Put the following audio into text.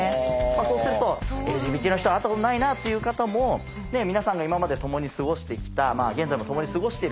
そうするとＬＧＢＴの人会ったことないなあっていう方も皆さんが今まで共に過ごしてきた現在も共に過ごしている